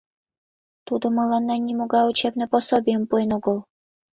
Тудо мыланна нимогай учебный пособийым пуэн огыл.